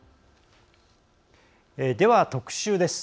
では、特集です。